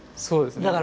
そうですね。